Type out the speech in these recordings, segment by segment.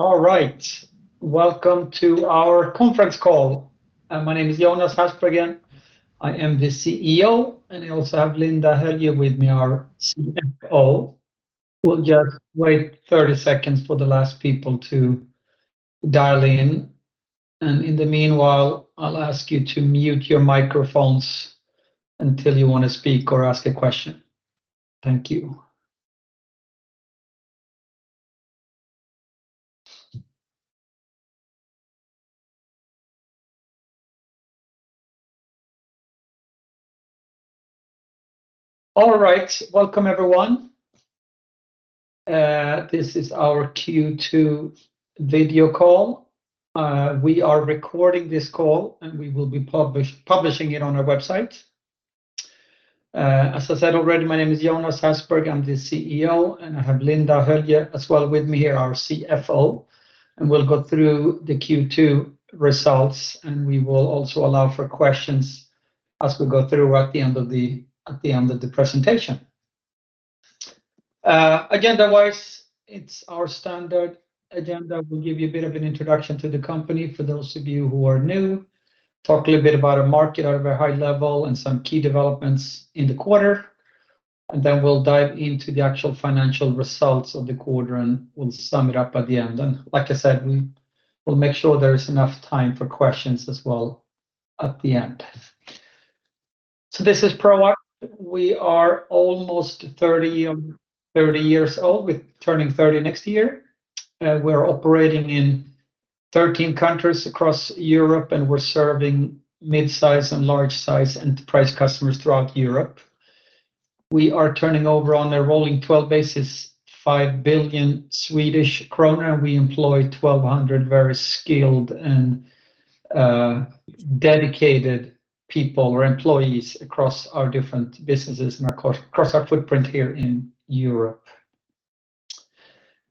All right. Welcome to our conference call. My name is Jonas Hasselberg again. I am the CEO, and I also have Linda Höljö with me, our CFO. We'll just wait 30 seconds for the last people to dial in, and in the meanwhile, I'll ask you to mute your microphones until you wanna speak or ask a question. Thank you. All right, welcome, everyone. This is our Q2 video call. We are recording this call, and we will be publishing it on our website. As I said already, my name is Jonas Hasselberg, I'm the CEO, and I have Linda Höljö as well with me here, our CFO, and we'll go through the Q2 results, and we will also allow for questions as we go through at the end of the, at the end of the presentation. Agenda-wise, it's our standard agenda. We'll give you a bit of an introduction to the company for those of you who are new, talk a little bit about our market at a very high level and some key developments in the quarter. Then we'll dive into the actual financial results of the quarter. We'll sum it up at the end. Like I said, we'll make sure there is enough time for questions as well at the end. This is Proact. We are almost 30 years old, with turning 30 next year. We're operating in 13 countries across Europe. We're serving mid-size and large-size enterprise customers throughout Europe. We are turning over on a rolling 12 basis, 5 billion Swedish kronor. We employ 1,200 very skilled and dedicated people or employees across our different businesses and across our footprint here in Europe.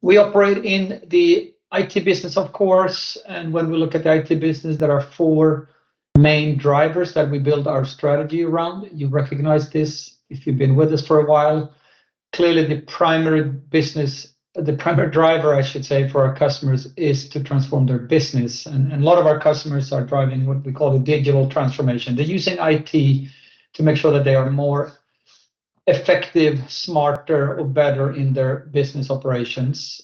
We operate in the IT business, of course, when we look at the IT business, there are four main drivers that we build our strategy around. You recognize this if you've been with us for a while. Clearly, the primary driver, I should say, for our customers, is to transform their business. A lot of our customers are driving what we call the digital transformation. They're using IT to make sure that they are more effective, smarter, or better in their business operations.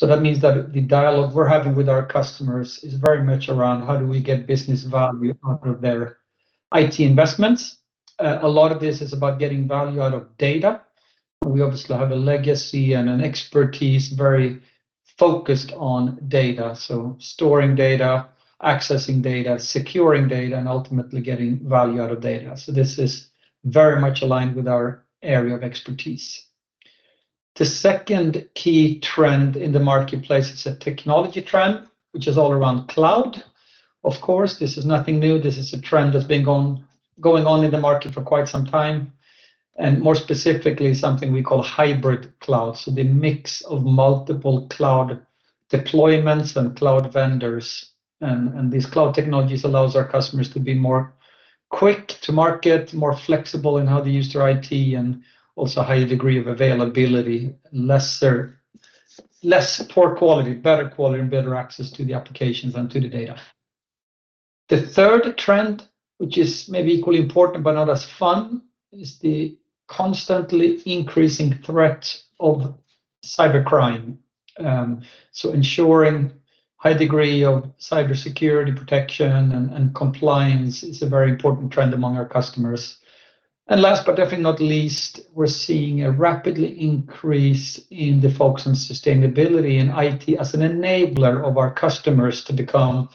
That means that the dialogue we're having with our customers is very much around how do we get business value out of their IT investments? A lot of this is about getting value out of data. We obviously have a legacy and an expertise very focused on data, so storing data, accessing data, securing data, and ultimately getting value out of data. This is very much aligned with our area of expertise. The second key trend in the marketplace is a technology trend, which is all around cloud. Of course, this is nothing new. This is a trend that's been going on in the market for quite some time, and more specifically, something we call hybrid cloud. The mix of multiple cloud deployments and cloud vendors. These cloud technologies allows our customers to be more quick to market, more flexible in how they use their IT, and also a higher degree of availability, less poor quality, better quality and better access to the applications and to the data. The third trend, which is maybe equally important but not as fun, is the constantly increasing threat of cybercrime. Ensuring high degree of cybersecurity, protection, and compliance is a very important trend among our customers. Last, but definitely not least, we're seeing a rapidly increase in the focus on sustainability and IT as an enabler of our customers to become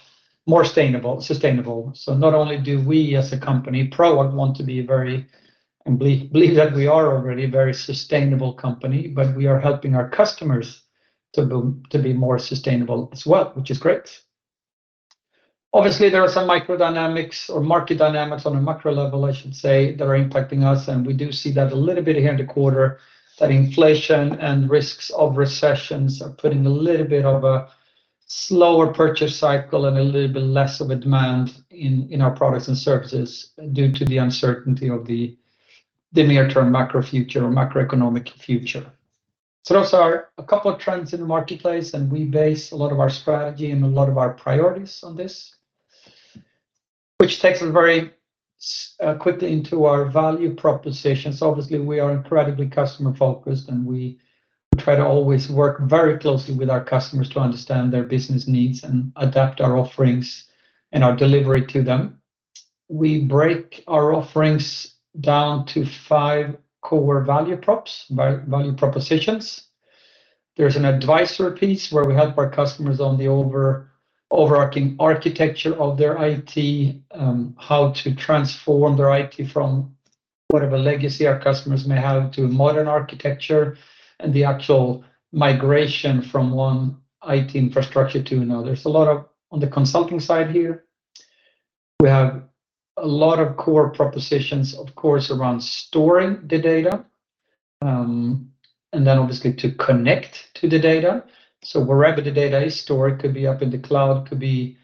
more sustainable. Not only do we, as a company, Proact, want to be a very, believe that we are already a very sustainable company, but we are helping our customers to be more sustainable as well, which is great. Obviously, there are some micro dynamics or market dynamics on a macro level, I should say, that are impacting us. We do see that a little bit here in the quarter, that inflation and risks of recessions are putting a little bit of a slower purchase cycle and a little bit less of a demand in our products and services due to the uncertainty of the near-term macro future or macroeconomic future. Those are a couple of trends in the marketplace. We base a lot of our strategy and a lot of our priorities on this, which takes us very quickly into our value propositions. Obviously, we are incredibly customer-focused. We try to always work very closely with our customers to understand their business needs and adapt our offerings and our delivery to them. We break our offerings down to five core value props, value propositions. There's an advisor piece where we help our customers on the overarching architecture of their IT, how to transform their IT from whatever legacy our customers may have to modern architecture, and the actual migration from one IT infrastructure to another. There's a lot of, on the consulting side here, we have a lot of core propositions, of course, around storing the data, and then obviously to connect to the data. Wherever the data is stored, it could be up in the cloud, it could be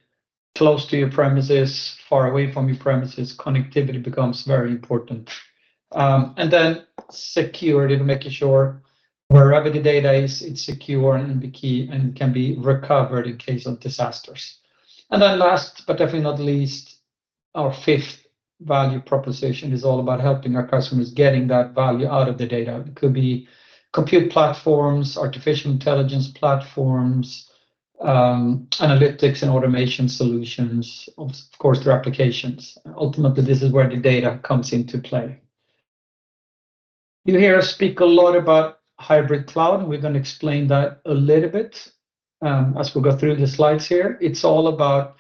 close to your premises, far away from your premises, connectivity becomes very important. Security, making sure wherever the data is, it's secure and be key and can be recovered in case of disasters. Then last, but definitely not least, our fifth value proposition is all about helping our customers getting that value out of the data. It could be compute platforms, artificial intelligence platforms, analytics and automation solutions, of course, their applications. Ultimately, this is where the data comes into play. You hear us speak a lot about hybrid cloud, we're gonna explain that a little bit as we go through the slides here. It's all about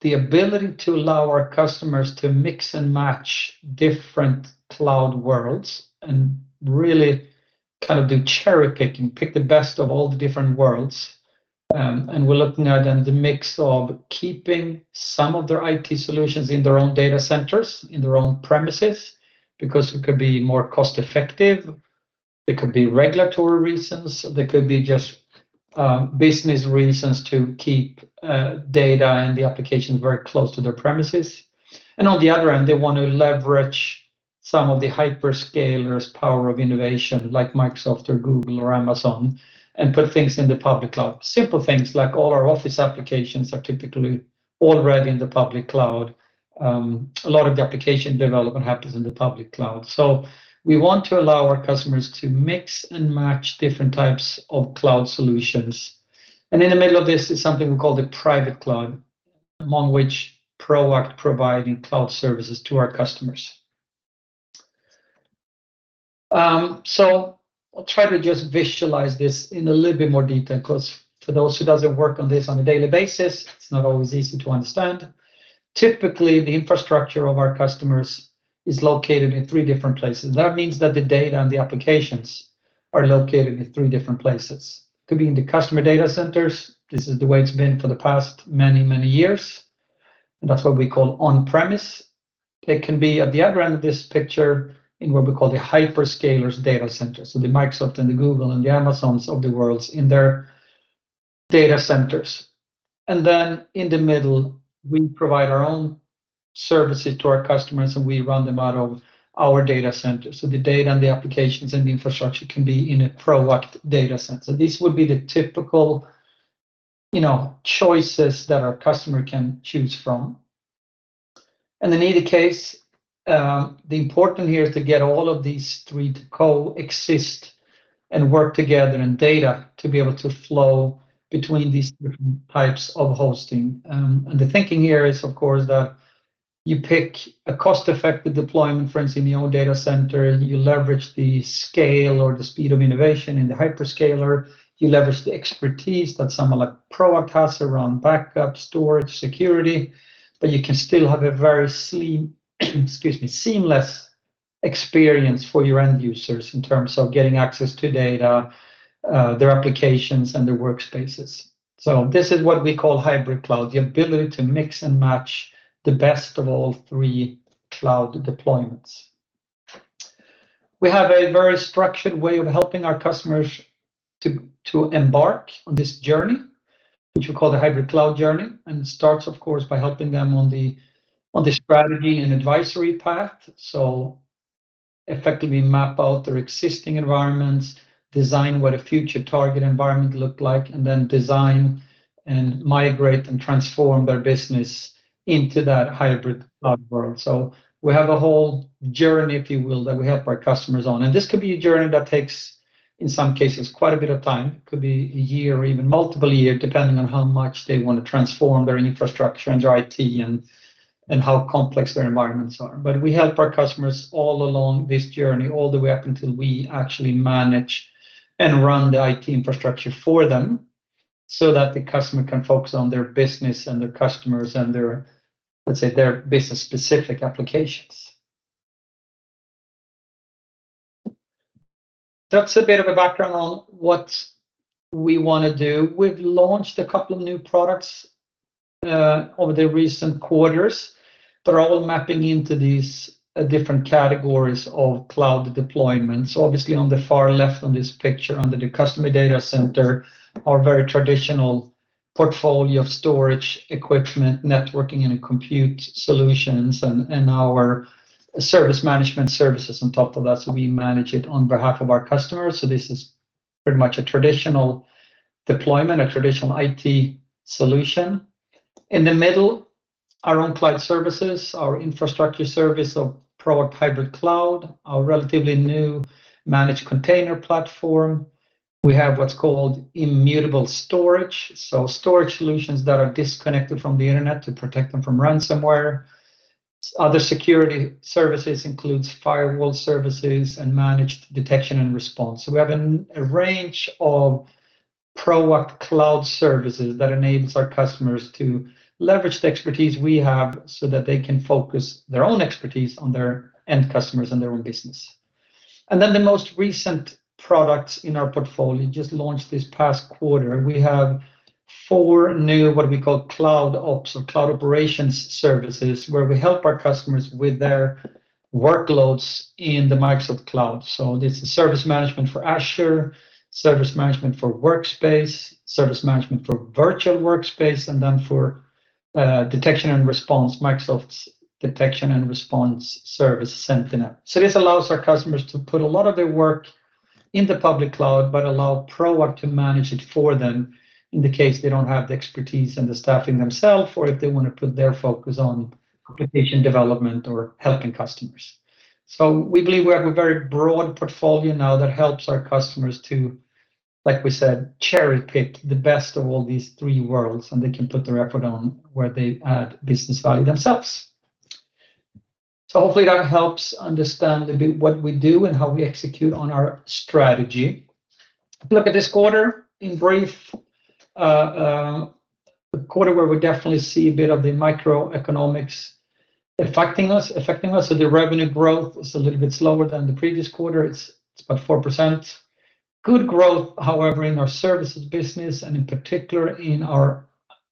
the ability to allow our customers to mix and match different cloud worlds and really kind of do cherry-picking, pick the best of all the different worlds. We're looking at then the mix of keeping some of their IT solutions in their own data centers, in their own premises, because it could be more cost-effective, there could be regulatory reasons, there could be just business reasons to keep data and the applications very close to their premises. On the other end, they want to leverage some of the hyperscalers' power of innovation, like Microsoft or Google or Amazon, and put things in the public cloud. Simple things like all our Office applications are typically already in the public cloud. A lot of the application development happens in the public cloud. We want to allow our customers to mix and match different types of cloud solutions. In the middle of this is something we call the private cloud, among which Proact providing cloud services to our customers. I'll try to just visualize this in a little bit more detail, 'cause for those who doesn't work on this on a daily basis, it's not always easy to understand. Typically, the infrastructure of our customers is located in three different places. That means that the data and the applications are located in three different places. It could be in the customer data centers. This is the way it's been for the past many, many years, and that's what we call on-premises. It can be at the other end of this picture in what we call the hyperscalers data centers, so the Microsoft and the Google and the Amazons of the worlds in their data centers. In the middle, we provide our own services to our customers, and we run them out of our data center. The data and the applications and the infrastructure can be in a Proact data center. This would be the typical, you know, choices that our customer can choose from. In either case, the important here is to get all of these three to co-exist and work together, and data to be able to flow between these different types of hosting. The thinking here is, of course, that you pick a cost-effective deployment, for instance, in your own data center, you leverage the scale or the speed of innovation in the hyperscaler, you leverage the expertise that someone like Proact has around backup, storage, security, but you can still have a very sleek, excuse me, seamless experience for your end users in terms of getting access to data, their applications, and their workspaces. This is what we call hybrid cloud, the ability to mix and match the best of all three cloud deployments. We have a very structured way of helping our customers to embark on this journey, which we call the hybrid cloud journey. It starts, of course, by helping them on the strategy and advisory path. Effectively map out their existing environments, design what a future target environment look like, and then design and migrate and transform their business into that hybrid cloud world. We have a whole journey, if you will, that we help our customers on. This could be a journey that takes, in some cases, quite a bit of time. It could be a year or even multiple years, depending on how much they want to transform their infrastructure and their IT and how complex their environments are. We help our customers all along this journey, all the way up until we actually manage and run the IT infrastructure for them, so that the customer can focus on their business and their customers and their, let's say, their business-specific applications. That's a bit of a background on what we wanna do. We've launched a couple of new products over the recent quarters. They're all mapping into these different categories of cloud deployments. Obviously, on the far left on this picture, under the customer data center, our very traditional portfolio of storage, equipment, networking, and compute solutions, and our service management services on top of that, so we manage it on behalf of our customers. This is pretty much a traditional deployment, a traditional IT solution. In the middle, our own cloud services, our infrastructure service of Proact Hybrid Cloud, our relatively new managed container platform. We have what's called immutable storage, so storage solutions that are disconnected from the internet to protect them from ransomware. Other security services includes firewall services and managed detection and response. We have a range of Proact cloud services that enables our customers to leverage the expertise we have so that they can focus their own expertise on their end customers and their own business. The most recent products in our portfolio, just launched this past quarter, we have four new, what we call Cloud Ops or cloud operations services, where we help our customers with their workloads in the Microsoft Cloud. This is service management for Azure, service management for Workspace, service management for virtual workspace, and then for detection and response, Microsoft's detection and response service, Sentinel. This allows our customers to put a lot of their work in the public cloud, but allow Proact to manage it for them in the case they don't have the expertise and the staffing themselves, or if they wanna put their focus on application development or helping customers. We believe we have a very broad portfolio now that helps our customers to, like we said, cherry-pick the best of all these three worlds, and they can put their effort on where they add business value themselves. Hopefully that helps understand a bit what we do and how we execute on our strategy. Look at this quarter in brief, a quarter where we definitely see a bit of the microeconomics affecting us. The revenue growth is a little bit slower than the previous quarter. It's about 4%. Good growth, however, in our services business and in particular in our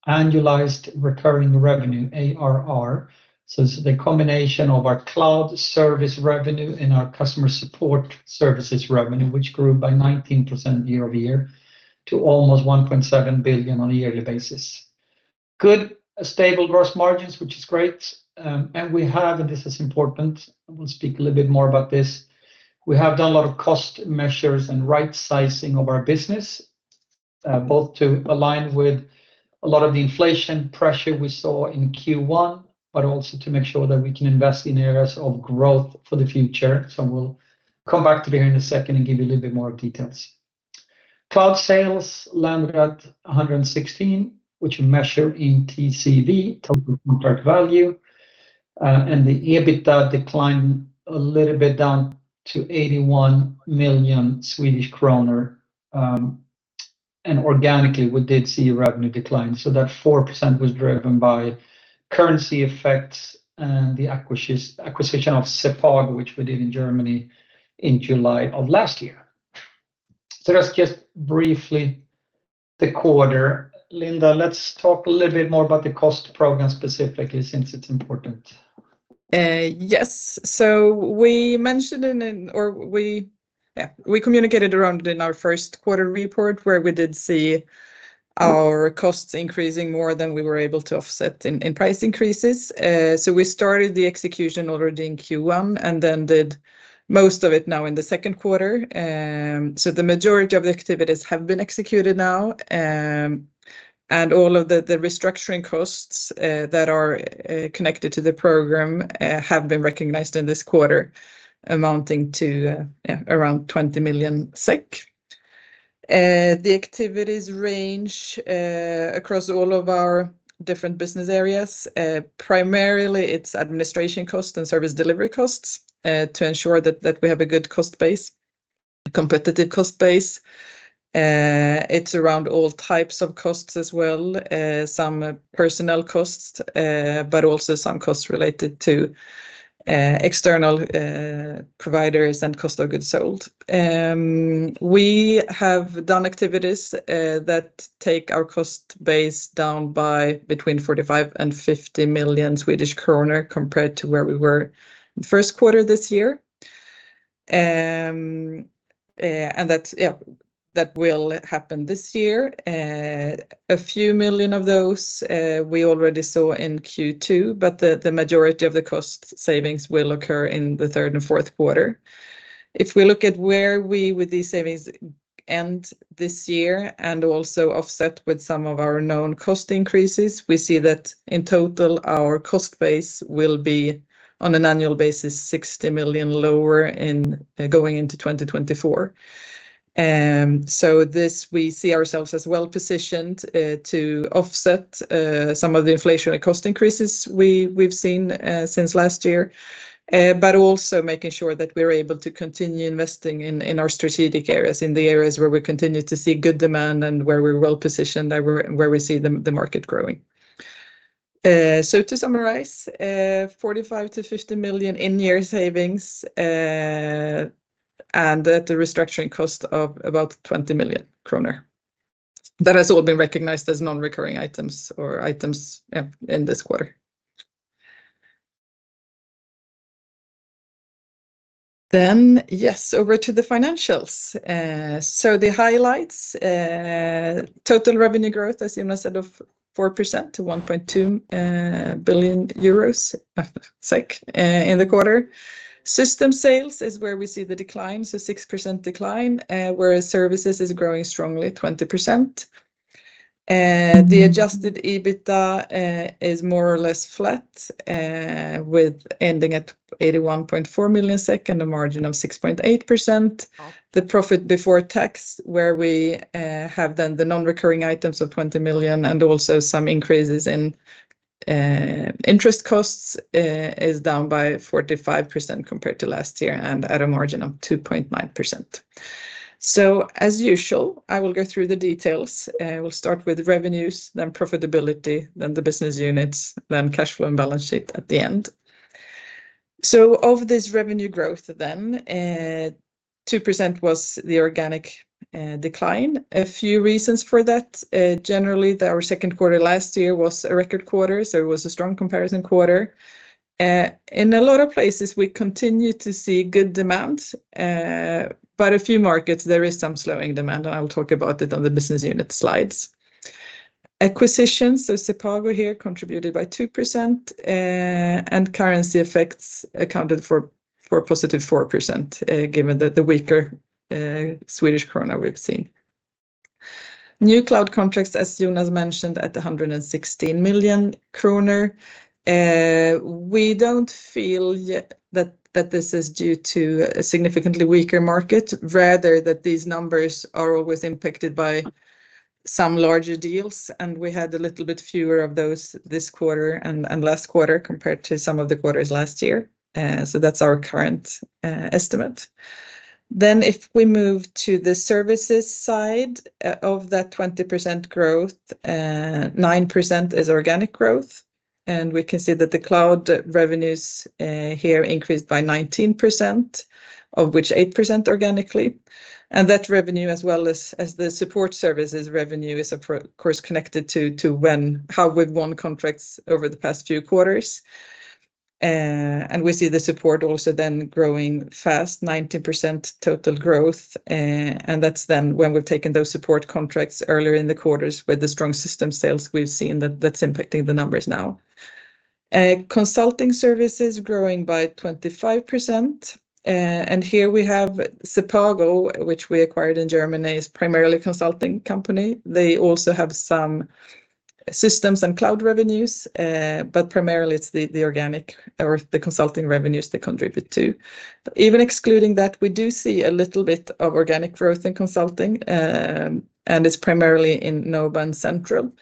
annualized recurring revenue, ARR. It's the combination of our cloud service revenue and our customer support services revenue, which grew by 19% year-over-year to almost 1.7 billion on a yearly basis. Good, stable gross margins, which is great. And we have, and this is important, I will speak a little bit more about this, we have done a lot of cost measures and right sizing of our business, both to align with a lot of the inflation pressure we saw in Q1, but also to make sure that we can invest in areas of growth for the future. We'll come back to that here in a second and give you a little bit more details. Cloud sales landed at 116 million, which we measure in TCV, total contract value, and the EBITDA declined a little bit down to 81 million Swedish kronor. Organically, we did see a revenue decline, that 4% was driven by currency effects and the acquisition of Sepago, which we did in Germany in July of last year. That's just briefly the quarter. Linda, let's talk a little bit more about the cost program specifically, since it's important. Yes. We, yeah, we communicated around it in our first quarter report, where we did see our costs increasing more than we were able to offset in price increases. We started the execution already in Q1, and then did most of it now in the second quarter. The majority of the activities have been executed now, and all of the restructuring costs that are connected to the program have been recognized in this quarter, amounting to, yeah, around 20 million SEK. The activities range across all of our different business areas. Primarily, it's administration costs and service delivery costs to ensure that we have a good cost base, competitive cost base. It's around all types of costs as well, some personal costs, but also some costs related to external providers and cost of goods sold. We have done activities that take our cost base down by between 45 million and 50 million Swedish kronor, compared to where we were in the first quarter this year. That's, yeah, that will happen this year. A few million of those, we already saw in Q2, but the majority of the cost savings will occur in the third and fourth quarter. If we look at where we, with these savings, end this year, and also offset with some of our known cost increases, we see that in total, our cost base will be, on an annual basis, 60 million lower in going into 2024. This, we see ourselves as well positioned to offset some of the inflationary cost increases we've seen since last year, but also making sure that we're able to continue investing in our strategic areas, in the areas where we continue to see good demand and where we're well positioned and where we see the market growing. To summarize, 45-50 million in-year savings, and at the restructuring cost of about 20 million kronor. That has all been recognized as non-recurring items, yeah, in this quarter. Over to the financials. The highlights, total revenue growth, as Jonas said, of 4% to 1.2 billion euros, SEK, in the quarter. System sales is where we see the decline, 6% decline, whereas services is growing strongly, 20%. The adjusted EBITDA is more or less flat, with ending at 81.4 million and a margin of 6.8%. The profit before tax, where we have then the non-recurring items of 20 million and also some increases in interest costs, is down by 45% compared to last year and at a margin of 2.9%. As usual, I will go through the details. We'll start with revenues, then profitability, then the business units, then cash flow and balance sheet at the end. Of this revenue growth then, 2% was the organic decline. A few reasons for that, generally, that our second quarter last year was a record quarter. It was a strong comparison quarter. In a lot of places, we continue to see good demand, but a few markets, there is some slowing demand. I will talk about it on the business unit slides. Acquisitions, Sepago here contributed by 2%. Currency effects accounted for a positive 4%, given that the weaker Swedish Krona we've seen. New cloud contracts, as Jonas mentioned, at 116 million kronor. We don't feel yet that this is due to a significantly weaker market, rather, that these numbers are always impacted by some larger deals, and we had a little bit fewer of those this quarter and last quarter, compared to some of the quarters last year. That's our current estimate. If we move to the services side, of that 20% growth, 9% is organic growth, and we can see that the cloud revenues here increased by 19%, of which 8% organically. That revenue, as well as the support services revenue, is, of course, connected to how we've won contracts over the past few quarters. We see the support also then growing fast, 19% total growth, and that's then when we've taken those support contracts earlier in the quarters with the strong system sales we've seen, that's impacting the numbers now. Consulting services growing by 25%. Here we have Sepago, which we acquired in Germany, is primarily a consulting company. They also have some systems and cloud revenues, but primarily it's the organic or the consulting revenues they contribute, too. Even excluding that, we do see a little bit of organic growth in consulting, and it's primarily in Norway and Central,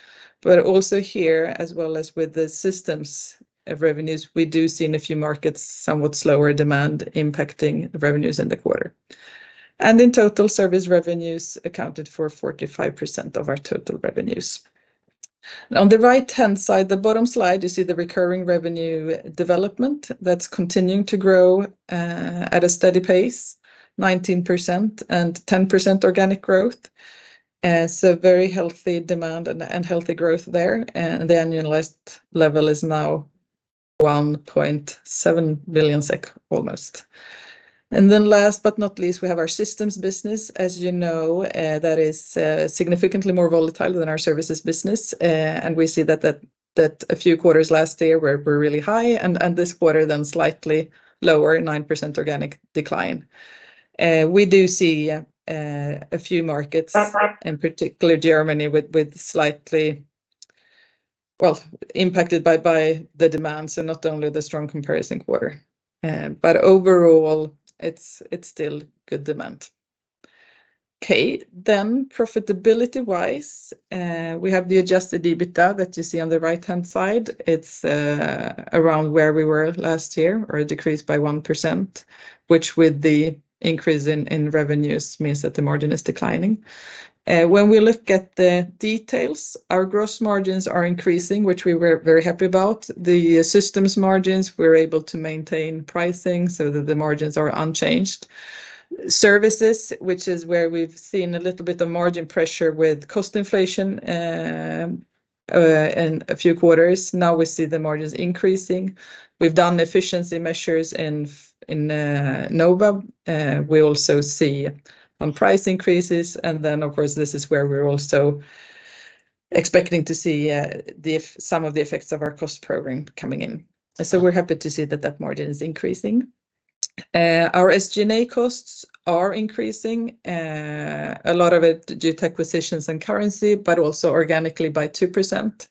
but also here, as well as with the systems of revenues, we do see in a few markets somewhat slower demand impacting the revenues in the quarter. In total, service revenues accounted for 45% of our total revenues. On the right-hand side, the bottom slide, you see the recurring revenue development that's continuing to grow at a steady pace, 19% and 10% organic growth. Very healthy demand and healthy growth there. The annualized level is now 1.7 billion SEK, almost. Last but not least, we have our systems business. As you know, that is significantly more volatile than our services business. We see that a few quarters last year were really high, and this quarter, then slightly lower, 9% organic decline. We do see a few markets, in particular, Germany, with slightly... well, impacted by the demands and not only the strong comparison quarter. Overall, it's still good demand. Okay. Profitability-wise, we have the adjusted EBITDA that you see on the right-hand side. It's around where we were last year or a decrease by 1%, which, with the increase in revenues, means that the margin is declining. We look at the details, our gross margins are increasing, which we were very happy about. The systems margins, we're able to maintain pricing so that the margins are unchanged. Services, which is where we've seen a little bit of margin pressure with cost inflation, in a few quarters, now we see the margins increasing. We've done efficiency measures in Norway. We also see on price increases, and then, of course, this is where we're also expecting to see some of the effects of our cost program coming in. We're happy to see that that margin is increasing. Our SG&A costs are increasing, a lot of it due to acquisitions and currency, but also organically by 2%.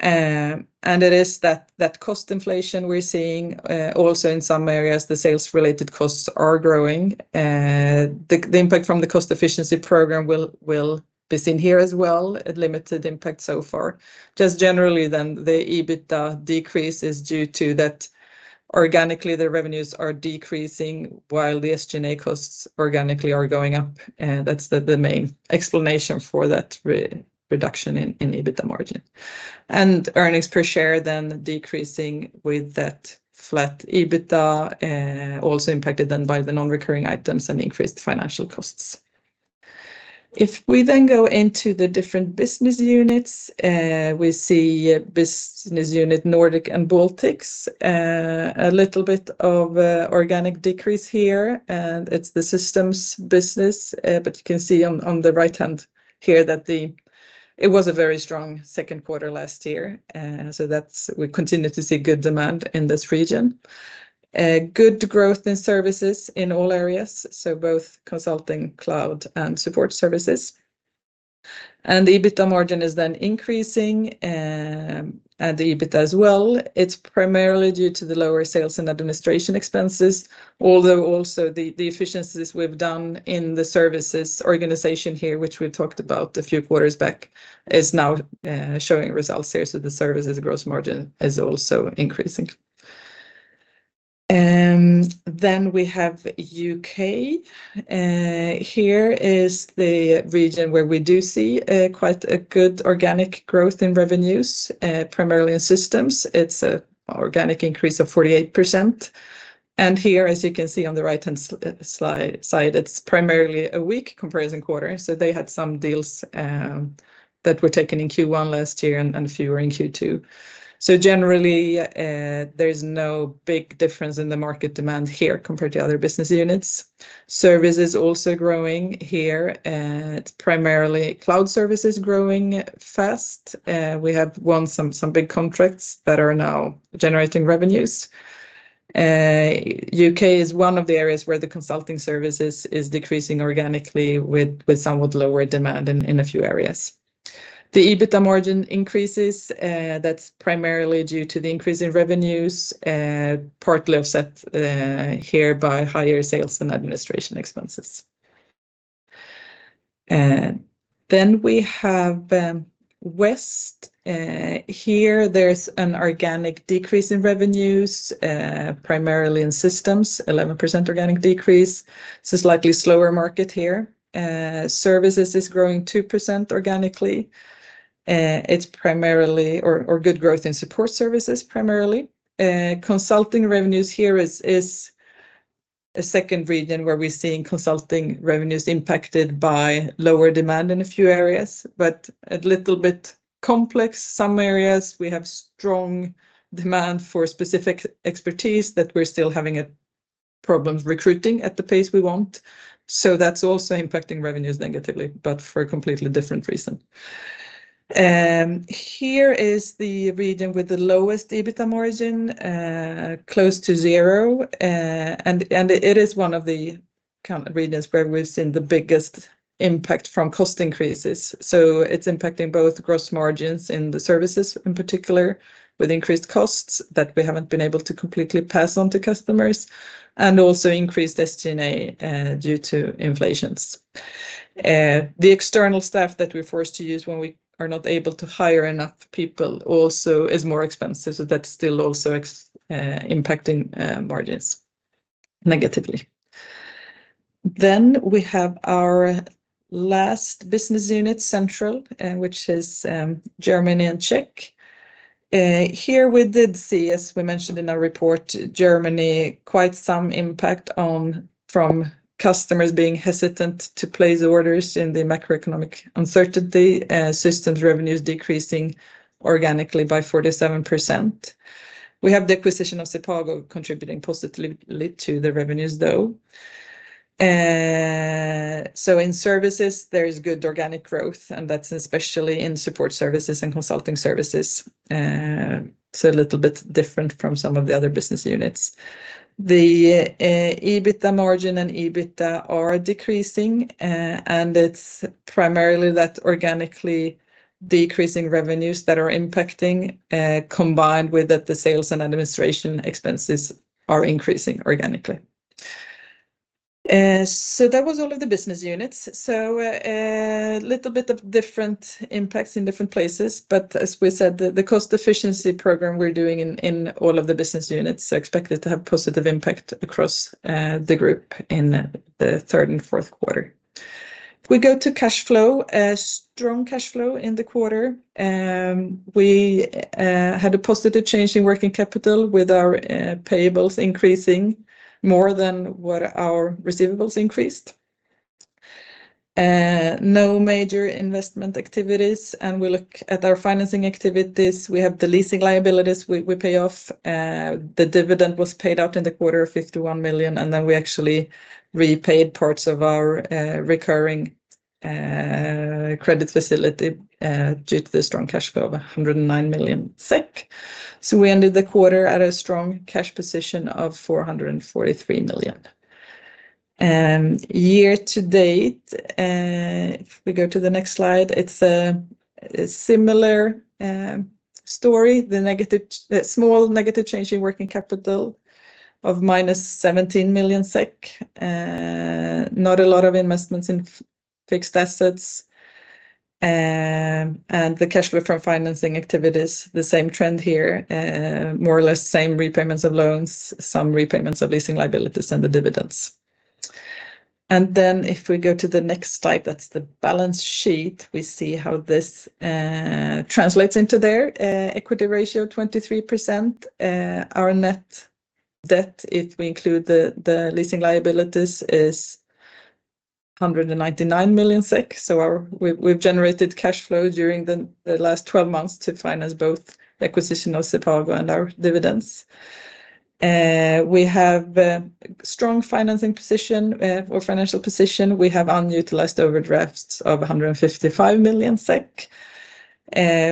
It is that cost inflation we're seeing, also in some areas, the sales-related costs are growing, the impact from the cost efficiency program will be seen here as well, a limited impact so far. Just generally, the EBITDA decrease is due to that organically, the revenues are decreasing, while the SG&A costs organically are going up, and that's the main explanation for that reduction in EBITDA margin. Earnings per share decreasing with that flat EBITDA, also impacted by the non-recurring items and increased financial costs. If we go into the different business units, we see business unit Nordic and Baltics. A little bit of organic decrease here, and it's the systems business, but you can see on the right hand here that it was a very strong second quarter last year. We continue to see good demand in this region. Good growth in services in all areas, so both consulting, cloud, and support services. The EBITDA margin is then increasing, and the EBITDA as well. It's primarily due to the lower sales and administration expenses, although also the efficiencies we've done in the services organization here, which we talked about a few quarters back, is now showing results here. The services gross margin is also increasing. We have U.K. Here is the region where we do see quite a good organic growth in revenues, primarily in systems. It's an organic increase of 48%. Here, as you can see on the right-hand side, it's primarily a weak comparison quarter. They had some deals that were taken in Q1 last year, and fewer in Q2. Generally, there's no big difference in the market demand here compared to other business units. Service is also growing here, and primarily cloud service is growing fast. We have won some big contracts that are now generating revenues. U.K. is one of the areas where the consulting services is decreasing organically with somewhat lower demand in a few areas. The EBITDA margin increases, that's primarily due to the increase in revenues, partly offset here by higher sales and administration expenses. Then we have West. Here there's an organic decrease in revenues, primarily in systems, 11% organic decrease. It's a slightly slower market here. Services is growing 2% organically, it's primarily good growth in support services, primarily. Consulting revenues here is a second region where we're seeing consulting revenues impacted by lower demand in a few areas, but a little bit complex. Some areas we have strong demand for specific expertise that we're still having problems recruiting at the pace we want. That's also impacting revenues negatively, but for a completely different reason. Here is the region with the lowest EBITDA margin, close to zero. It is one of the kind of regions where we've seen the biggest impact from cost increases. It's impacting both gross margins in the services, in particular, with increased costs that we haven't been able to completely pass on to customers, and also increased SG&A due to inflations. The external staff that we're forced to use when we are not able to hire enough people also is more expensive, so that's still also impacting margins negatively. We have our last business unit, Central, which is Germany and Czech. Here we did see, as we mentioned in our report, Germany, quite some impact from customers being hesitant to place orders in the macroeconomic uncertainty. Systems revenues decreasing organically by 47%. We have the acquisition of Sepago contributing positively to the revenues, though. In services, there is good organic growth, and that's especially in support services and consulting services. A little bit different from some of the other business units. The EBITDA margin and EBITDA are decreasing, and it's primarily that organically decreasing revenues that are impacting, combined with that the sales and administration expenses are increasing organically. That was all of the business units. A little bit of different impacts in different places, but as we said, the cost efficiency program we're doing in all of the business units are expected to have positive impact across the group in the third and fourth quarter. If we go to cash flow, a strong cash flow in the quarter. We had a positive change in working capital, with our payables increasing more than what our receivables increased. No major investment activities, and we look at our financing activities. We have the leasing liabilities we pay off. The dividend was paid out in the quarter, 51 million, and then we actually repaid parts of our recurring credit facility due to the strong cash flow of 109 million SEK. We ended the quarter at a strong cash position of 443 million. Year to date, if we go to the next slide, it's a similar story. The small negative change in working capital of minus 17 million SEK. Not a lot of investments in fixed assets, and the cash flow from financing activities, the same trend here. More or less same repayments of loans, some repayments of leasing liabilities, and the dividends. If we go to the next slide, that's the balance sheet. We see how this translates into there. Equity ratio, 23%. Our net debt, if we include the leasing liabilities, is 199 million SEK. We've generated cash flow during the last 12 months to finance both the acquisition of Sepago and our dividends. We have a strong financing position or financial position. We have unutilized overdrafts of 155 million SEK,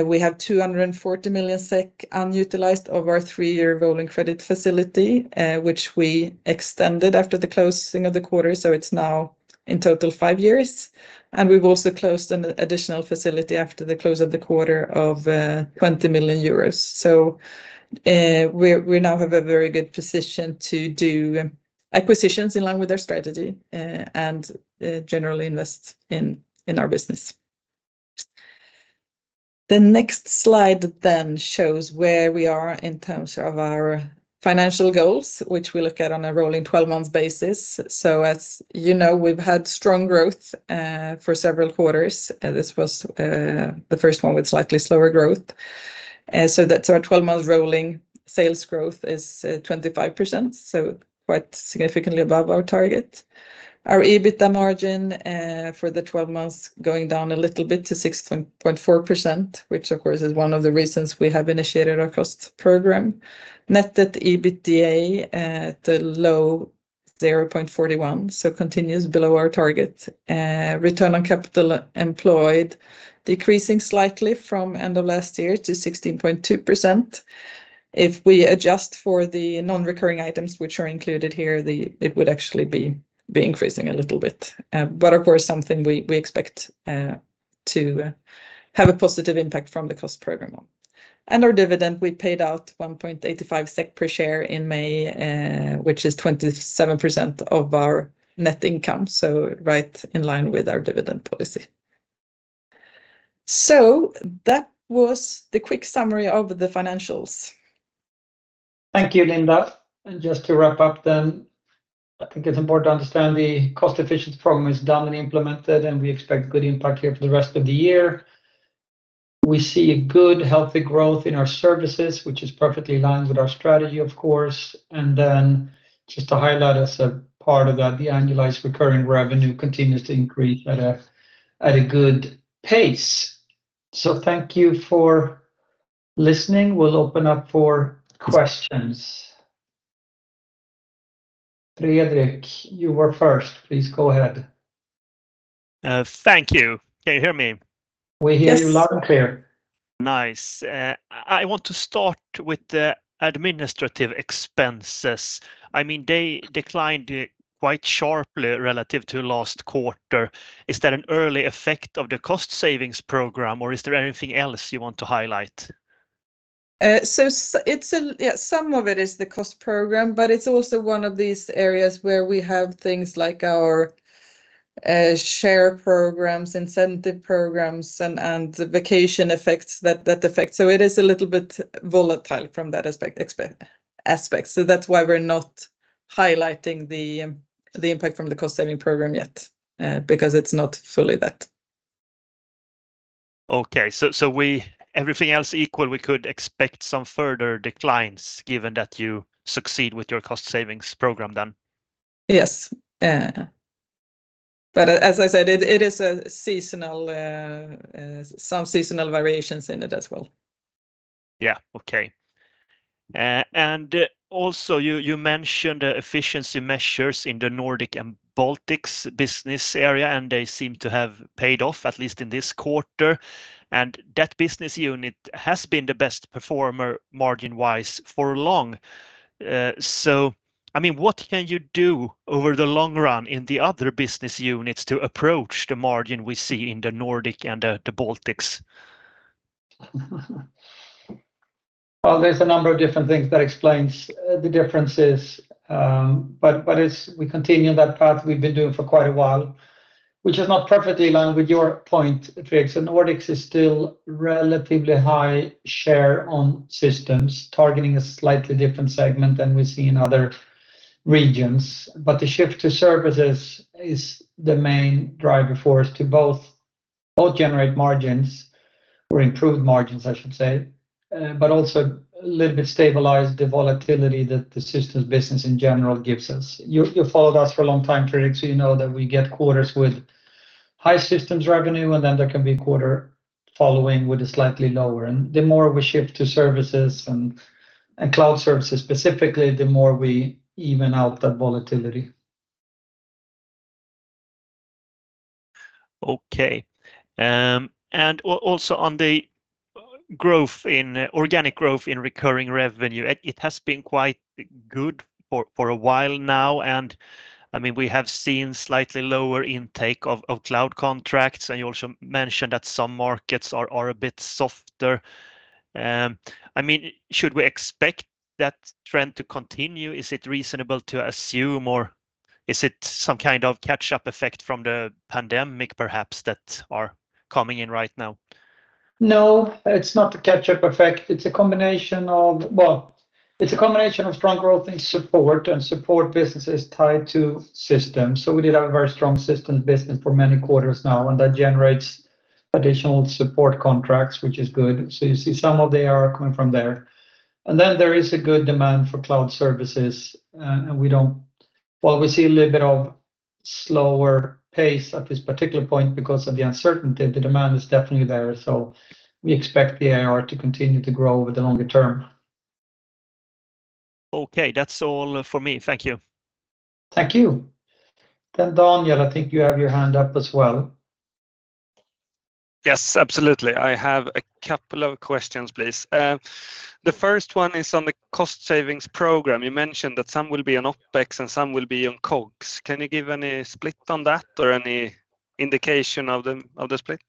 we have 240 million SEK unutilized of our 3-year rolling credit facility, which we extended after the closing of the quarter. It's now in total five years, and we've also closed an additional facility after the close of the quarter of 20 million euros. We now have a very good position to do acquisitions in line with our strategy and generally invest in our business. The next slide shows where we are in terms of our financial goals, which we look at on a rolling 12-month basis. As you know, we've had strong growth for several quarters, this was the first one with slightly slower growth. That's our 12-month rolling sales growth is 25%, so quite significantly above our target. Our EBITDA margin for the 12 months, going down a little bit to 6.4%, which of course, is one of the reasons we have initiated our cost program. Net debt EBITDA at the low 0.41, continues below our target. Return on capital employed, decreasing slightly from end of last year to 16.2%. If we adjust for the non-recurring items which are included here, it would actually be increasing a little bit. Of course, something we expect to have a positive impact from the cost program on. Our dividend, we paid out 1.85 SEK per share in May, which is 27% of our net income, so right in line with our dividend policy. That was the quick summary of the financials. Thank you, Linda. Just to wrap up then, I think it's important to understand the cost efficiency program is done and implemented, and we expect good impact here for the rest of the year. We see a good, healthy growth in our services, which is perfectly aligned with our strategy, of course. Then just to highlight as a part of that, the annualized recurring revenue continues to increase at a good pace. Thank you for listening. We'll open up for questions. Fredrik, you were first. Please go ahead. Thank you. Can you hear me? We hear you- Yes. Loud and clear. Nice. I want to start with the administrative expenses. I mean, they declined quite sharply relative to last quarter. Is that an early effect of the cost savings program, or is there anything else you want to highlight? Yeah, some of it is the cost program, but it's also one of these areas where we have things like our share programs, incentive programs, and vacation effects that affect. It is a little bit volatile from that aspect. That's why we're not highlighting the impact from the cost-saving program yet, because it's not fully that. Okay. We everything else equal, we could expect some further declines, given that you succeed with your cost savings program, then? Yes. As I said, it is a seasonal, some seasonal variations in it as well. Okay. Also, you mentioned the efficiency measures in the Nordic and Baltics business area, they seem to have paid off, at least in this quarter. That business unit has been the best performer, margin-wise, for long. I mean, what can you do over the long run in the other business units to approach the margin we see in the Nordic and the Baltics? There's a number of different things that explains the differences, as we continue that path, we've been doing for quite a while, which is not perfectly in line with your point, Fredrik. Nordics is still relatively high share on systems, targeting a slightly different segment than we see in other regions. The shift to services is the main driving force to both generate margins or improve margins, I should say, but also a little bit stabilize the volatility that the systems business in general gives us. You've followed us for a long time, Fredrik, so you know that we get quarters with high systems revenue, and then there can be a quarter following with a slightly lower. The more we shift to services and cloud services specifically, the more we even out that volatility. Okay. Also, on the organic growth in recurring revenue, it has been quite good for a while now, and I mean, we have seen slightly lower intake of cloud contracts, and you also mentioned that some markets are a bit softer. I mean, should we expect that trend to continue? Is it reasonable to assume, or is it some kind of catch-up effect from the pandemic, perhaps, that are coming in right now? No, it's not a catch-up effect. Well, it's a combination of strong growth in support, and support business is tied to systems. We did have a very strong systems business for many quarters now, and that generates additional support contracts, which is good. You see some of the ARR coming from there. There is a good demand for cloud services, and While we see a little bit of slower pace at this particular point because of the uncertainty, the demand is definitely there, so we expect the ARR to continue to grow over the longer term. Okay. That's all for me. Thank you. Thank you. Daniel, I think you have your hand up as well. Yes, absolutely. I have a couple of questions, please. The first one is on the cost savings program. You mentioned that some will be on OpEx and some will be on COGS. Can you give any split on that or any indication of the split?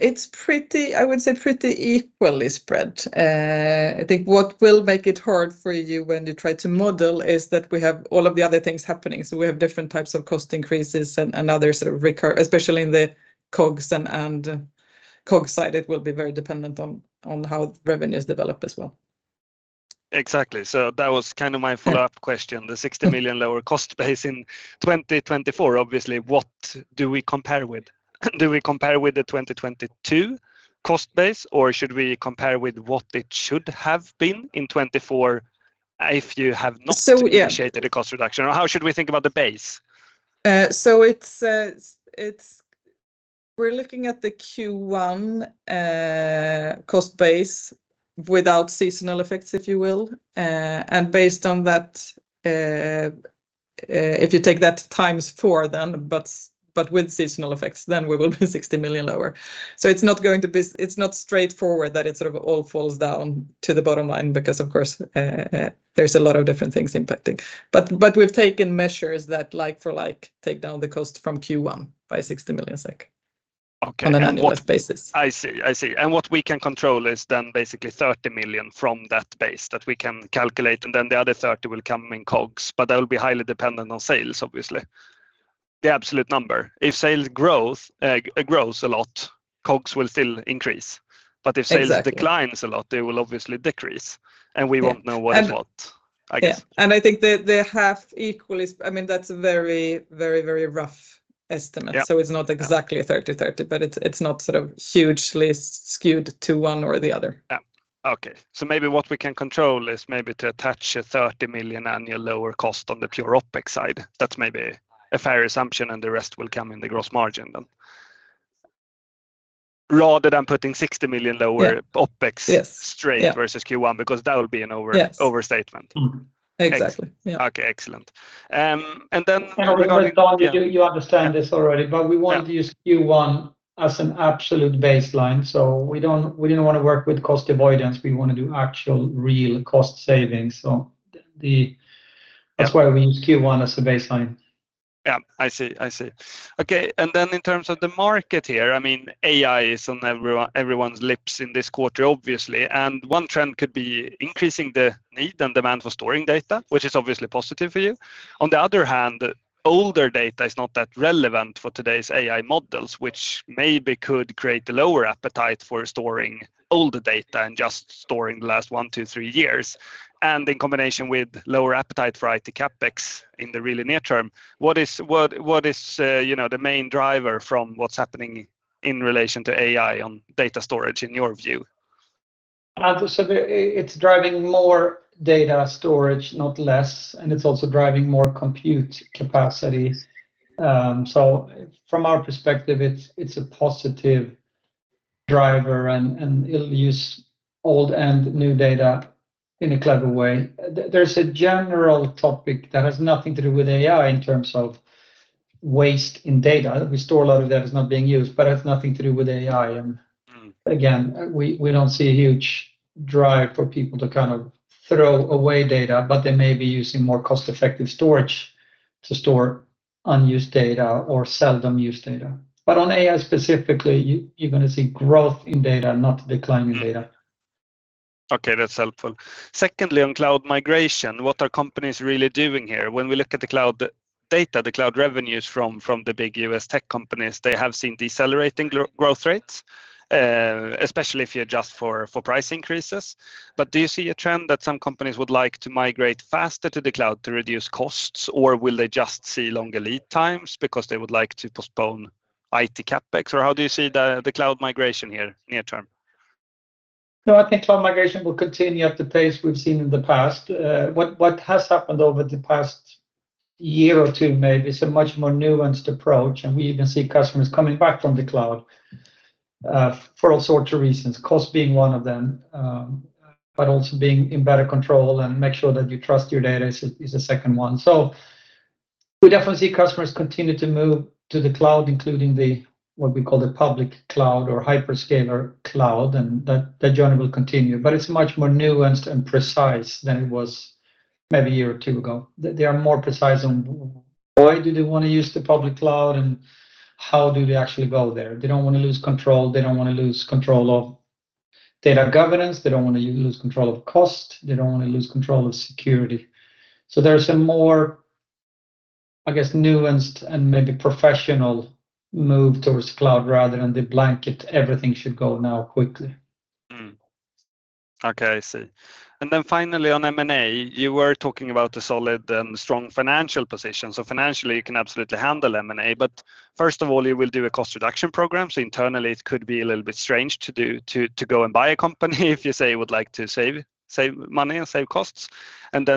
It's pretty, I would say, pretty equally spread. I think what will make it hard for you when you try to model is that we have all of the other things happening. We have different types of cost increases and other sort of recur, especially in the COGS and COGS side, it will be very dependent on how revenues develop as well. Exactly. That was kind of my follow-up question, the 60 million lower cost base in 2024, obviously, what do we compare with? Do we compare with the 2022 cost base, or should we compare with what it should have been in 2024 if you have not? Yeah. Initiated the cost reduction, or how should we think about the base? We're looking at the Q1 cost base without seasonal effects, if you will. Based on that, if you take that times four then, with seasonal effects, then we will be 60 million lower. It's not straightforward that it sort of all falls down to the bottom line, because, of course, there's a lot of different things impacting. We've taken measures that like for like, take down the cost from Q1 by 60 million SEK. Okay. On an annual basis. I see. What we can control is then basically 30 million from that base that we can calculate, and then the other 30 million will come in COGS, but that will be highly dependent on sales, obviously. The absolute number. If sales growth grows a lot, COGS will still increase. Exactly. If sales decline a lot, they will obviously decrease, and we won't know what is what, I guess. Yeah. I think the half equally, I mean, that's a very, very, very rough estimate. Yeah. It's not exactly a 30-30, but it's not sort of hugely skewed to one or the other. Yeah. Okay. Maybe what we can control is maybe to attach a 30 million annual lower cost on the pure OpEx side. That's maybe a fair assumption, and the rest will come in the gross margin then. Rather than putting 60 million. Yeah. OpEx- Yes... straight versus Q1, because that would be an over-. Yes... overstatement. Mm-hmm. Exactly. Yeah. Okay, excellent. Regarding, Daniel, you understand this already, but we wanted to use Q1 as an absolute baseline, so we didn't want to work with cost avoidance. We want to do actual, real cost savings. That's why we use Q1 as a baseline. Yeah, I see. I see. Okay, in terms of the market here, I mean, AI is on everyone's lips in this quarter, obviously, and one trend could be increasing the need and demand for storing data, which is obviously positive for you. On the other hand, older data is not that relevant for today's AI models, which maybe could create a lower appetite for storing older data and just storing the last 1-3 years, and in combination with lower appetite for IT CapEx in the really near term. What is, you know, the main driver from what's happening in relation to AI on data storage, in your view? It's driving more data storage, not less, and it's also driving more compute capacity. From our perspective, it's a positive driver, and it'll use old and new data in a clever way. There's a general topic that has nothing to do with AI in terms of waste in data. We store a lot of data that's not being used, but it has nothing to do with AI. Mm-hmm. Again, we don't see a huge drive for people to kind of throw away data, but they may be using more cost-effective storage to store unused data or seldom-used data. On AI specifically, you're gonna see growth in data, not decline in data. Okay, that's helpful. Secondly, on cloud migration, what are companies really doing here? When we look at the cloud data, the cloud revenues from the big U.S. tech companies, they have seen decelerating growth rates, especially if you adjust for price increases. Do you see a trend that some companies would like to migrate faster to the cloud to reduce costs, or will they just see longer lead times because they would like to postpone IT CapEx? How do you see the cloud migration here near term? No, I think cloud migration will continue at the pace we've seen in the past. What has happened over the past year or two, maybe, is a much more nuanced approach, and we even see customers coming back from the cloud for all sorts of reasons, cost being one of them, but also being in better control and make sure that you trust your data is the 2nd one. We definitely see customers continue to move to the cloud, including the what we call the public cloud or hyperscaler cloud, and that journey will continue, but it's much more nuanced and precise than it was maybe a year or two ago. They are more precise on why do they wanna use the public cloud and how do they actually go there. They don't wanna lose control. They don't wanna lose control of data governance. They don't wanna lose control of cost. They don't wanna lose control of security. There's a more, I guess, nuanced and maybe professional move towards cloud rather than the blanket, everything should go now quickly. Okay, I see. Finally, on M&A, you were talking about the solid and strong financial position. Financially, you can absolutely handle M&A, but first of all, you will do a cost reduction program. Internally, it could be a little bit strange to go and buy a company if you say you would like to save money and save costs.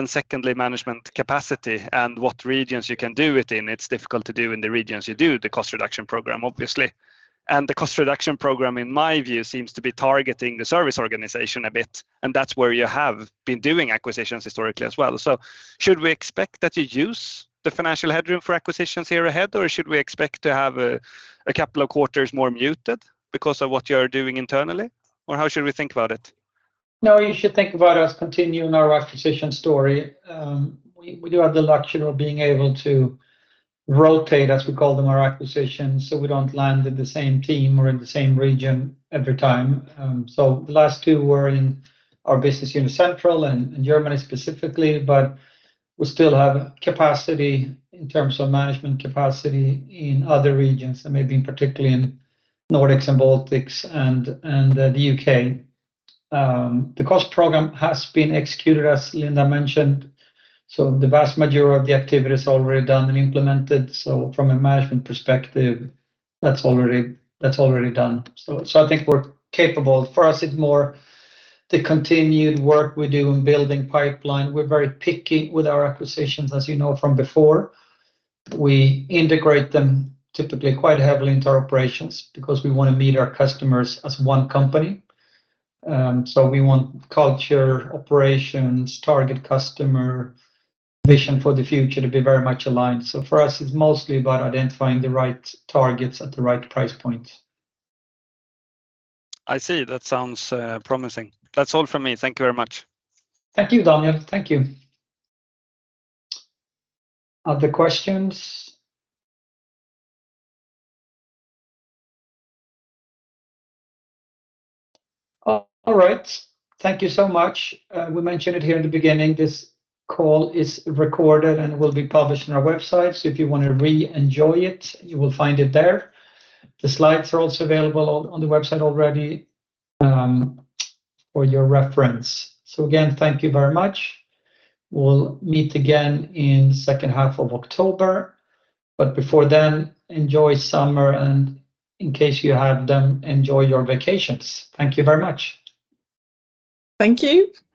Secondly, management capacity and what regions you can do it in. It's difficult to do in the regions you do the cost reduction program, obviously. The cost reduction program, in my view, seems to be targeting the service organization a bit, and that's where you have been doing acquisitions historically as well. Should we expect that you use the financial headroom for acquisitions here ahead, or should we expect to have a couple of quarters more muted because of what you're doing internally? Or how should we think about it? No, you should think about us continuing our acquisition story. We do have the luxury of being able to rotate, as we call them, our acquisitions, so we don't land in the same team or in the same region every time. The last two were in our business unit, Central and Germany specifically, but we still have capacity in terms of management capacity in other regions, and maybe particularly in Nordics and Baltics and the U.K. The cost program has been executed, as Linda mentioned, the vast majority of the activity is already done and implemented. From a management perspective, that's already done. I think we're capable. For us, it's more the continued work we do in building pipeline. We're very picky with our acquisitions, as you know from before. We integrate them typically quite heavily into our operations because we wanna meet our customers as one company. We want culture, operations, target customer, vision for the future to be very much aligned. For us, it's mostly about identifying the right targets at the right price point. I see. That sounds promising. That's all from me. Thank you very much. Thank you, Daniel. Thank you. Other questions? All right. Thank you so much. We mentioned it here in the beginning, this call is recorded and will be published on our website. If you wanna re-enjoy it, you will find it there. The slides are also available on the website already for your reference. Again, thank you very much. We'll meet again in second half of October. Before then, enjoy summer, and in case you have them, enjoy your vacations. Thank you very much. Thank you!